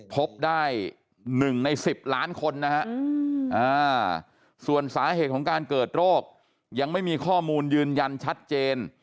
พบได้๑ใน๑๐ล้านคนนะฮะส่วนสาเหตุของการเกิดโรคยังไม่มีข้อมูลยืนยันชัดเจน